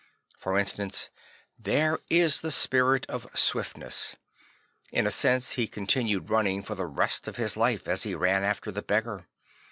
For instance, there is the spirit of smftness. In a sense he continued running for the rest of his life, as he ran after the beggar.